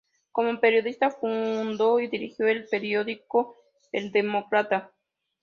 Como periodista fundó y dirigió el periódico El Demócrata.